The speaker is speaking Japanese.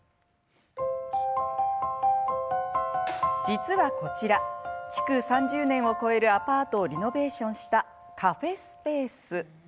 実はこちら、築３０年を超えるアパートをリノベーションしたカフェスペース。